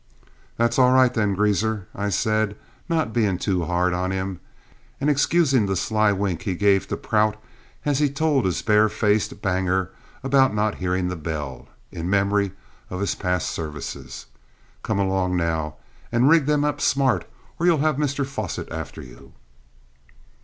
"That's all right, then, Greazer," I said, not being too hard on him, and excusing the sly wink he gave to Prout as he told his barefaced banger about not hearing the bell, in memory of his past services. "Come along now and rig them up smart, or you'll have Mr Fosset after you."